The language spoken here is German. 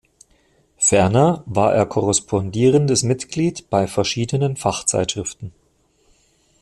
Ferner war er korrespondierendes Mitglied bei verschiedenen Fachzeitschriften.